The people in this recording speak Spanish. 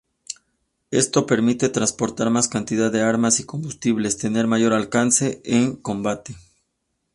Esto permite transportar más cantidad de armas y combustible, tener mayor alcance en combate.